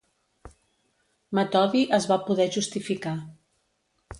Metodi es va poder justificar.